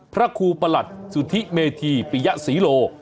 พระครูประหลัดสุธิเมธีปิยศรีโล